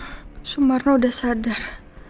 pak sumarno udah sadar